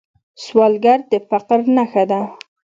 سوالګر د فقر نښه ده